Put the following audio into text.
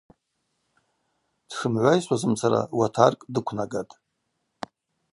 Дшымгӏвайсуазымцара уатаркӏ дыквнагатӏ.